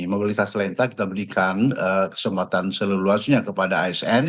mobilitas talenta kita berikan kesempatan seluruh luasnya kepada asn